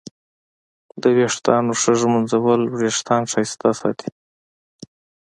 د ویښتانو ښه ږمنځول وېښتان ښایسته ساتي.